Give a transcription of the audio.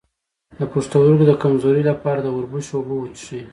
د پښتورګو د کمزوری لپاره د وربشو اوبه وڅښئ